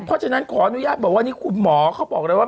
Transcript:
เพราะฉะนั้นขออนุญาตบอกว่านี่คุณหมอเขาบอกเลยว่า